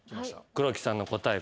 黒木さんの答え。